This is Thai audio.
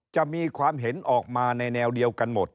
จะมีความเห็นออกมาในแนวเดียวกันหมด